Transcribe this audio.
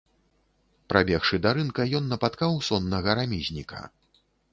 Прабегшы да рынка, ён напаткаў соннага рамізніка.